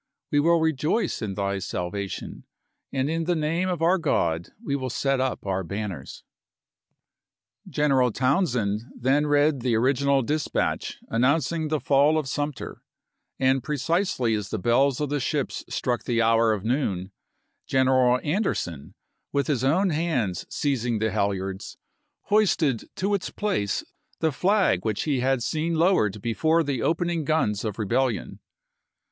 We will rejoice in thy salvation, and in the name of our God we will set up our banners. General Townsend then read the original dis patch announcing the fall of Sumter, and precisely as the bells of the ships struck the hour of noon, General Anderson, with his own hands seizing the To^end halyards, hoisted to its place the flag which he had ^™£S£8 seen lowered before the opening guns of rebellion.